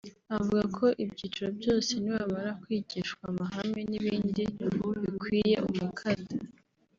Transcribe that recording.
Avuga ko ibyiciro byose nibamara kwigishwa amahame n’ibindi bikwiye umukada